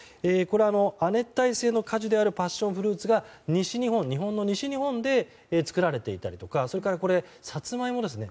亜熱帯性の果樹であるパッションフルーツが西日本で作られていたりとかそれから、サツマイモですね。